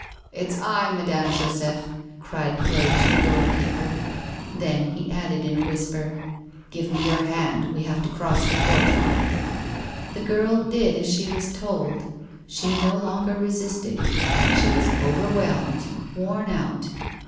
'It's I, Madame Joseph,' cried Claude to the doorkeeper. Then he added, in a whisper, 'Give me your hand, we have to cross the courtyard.' The girl did as she was told; she no longer resisted; she was overwhelmed, worn out.